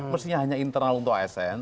mestinya hanya internal untuk asn